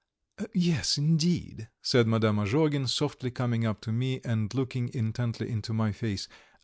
"Yes, indeed," said Madame Azhogin, softly coming up to me and looking intently into my face.